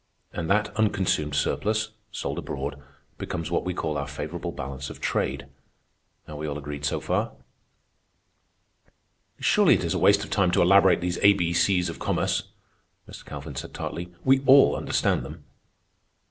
And that unconsumed surplus, sold abroad, becomes what we call our favorable balance of trade. Are we all agreed so far?" "Surely it is a waste of time to elaborate these A B C's of commerce," Mr. Calvin said tartly. "We all understand them."